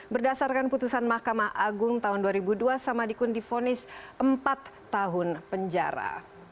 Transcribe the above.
berdasarkan putusan mahkamah agung tahun dua ribu dua samadikun difonis empat tahun penjara